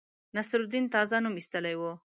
نصرالدین تازه نوم ایستلی وو.